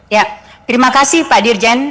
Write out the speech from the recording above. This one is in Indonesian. ya terima kasih pak dirjen